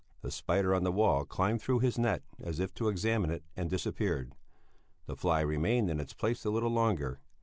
The spider on the wall climbed through his net as if to examine it and disappeared. The fly remained in its place a little longer.